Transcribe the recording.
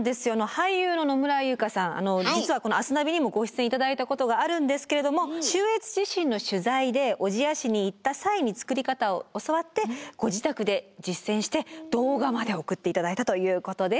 俳優の野村佑香さん実はこの「明日ナビ」にもご出演頂いたことがあるんですけれども中越地震の取材で小千谷市に行った際に作り方を教わってご自宅で実践して動画まで送って頂いたということです。